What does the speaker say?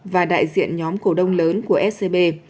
và đại diện nhóm cổ đông lớn của scb